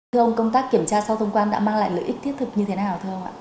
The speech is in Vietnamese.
thưa ông công tác kiểm tra sau thông quan đã mang lại lợi ích thiết thực như thế nào